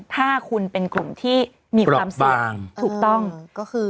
ถ้าคุณเป็นกลุ่มที่มีความเสีย